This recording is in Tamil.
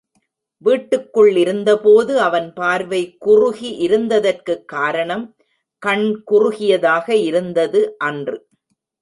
வீட்டுக்குள் இருந்தபோது அவன் பார்வை குறுகி இருந்ததற்குக் காரணம் கண் குறுகியதாக இருந்தது அன்று.